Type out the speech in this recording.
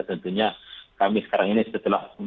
tentunya kami sekarang ini setelah